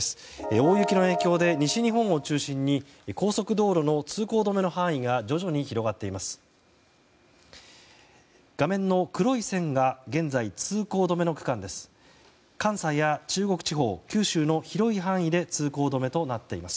大雪の影響で西日本を中心に高速道路の通行止めの範囲が徐々に広がっています。